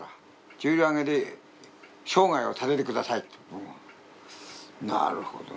「重量挙げで生涯を立ててください」となるほどな